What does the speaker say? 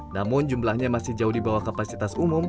namun jumlahnya masih jauh di bawah kapasitas umum